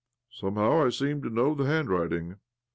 " Somehow I seem to know the handwriting."